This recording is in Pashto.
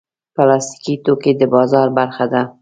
پلاستيکي توکي د بازار برخه ده.